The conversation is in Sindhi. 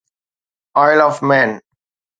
oil of main